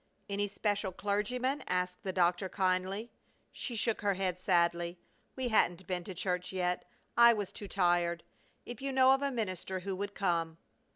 "Any special clergyman?" asked the doctor, kindly. She shook her head sadly. "We hadn't been to church yet. I was too tired. If you know of a minister who would come."